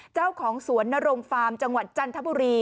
เจ้าของสวนนรงฟาร์มจังหวัดจันทบุรี